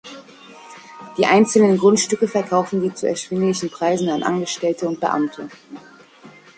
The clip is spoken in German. Die einzelnen Grundstücke verkaufen sie zu erschwinglichen Preisen an Angestellte und Beamte.